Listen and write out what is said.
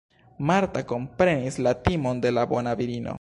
Marta komprenis la timon de la bona virino.